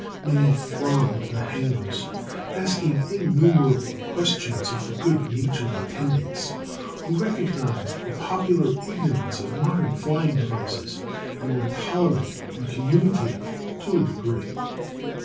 Many thronged the hangars, asking innumerable questions of the good natured attendants, who recognized the popular ignorance of modern flying devices and were tolerant and communicative to a degree.